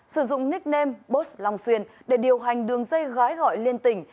sử dụng nickname botos long xuyên để điều hành đường dây gái gọi liên tỉnh